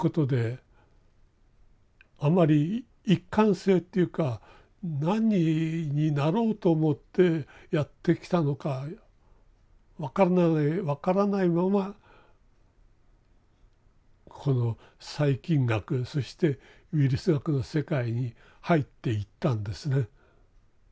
あんまり一貫性っていうか何になろうと思ってやってきたのか分からないままこの細菌学そしてウイルス学の世界に入っていったんですね。